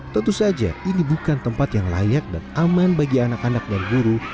tentu saja ini bukan tempat yang layak dan aman bagi anak anak dan guru